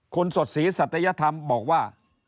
คุณสดศรีสัตยธรรมบอกว่า